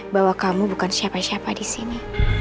bahwa kamu bukan siapa siapa di sini